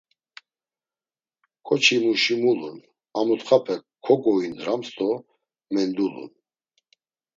Ǩoçimuşi mulun, amutxape koguindrams do mendulun.